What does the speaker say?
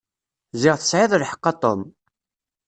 Ziɣ tesεiḍ lḥeqq a Tom.